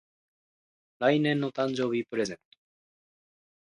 来年の誕生日プレゼント